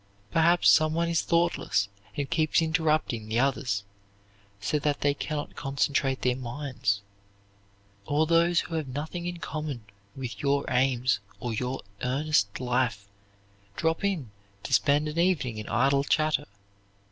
Perhaps someone is thoughtless and keeps interrupting the others so that they can not concentrate their minds; or those who have nothing in common with your aims or your earnest life drop in to spend an evening in idle chatter.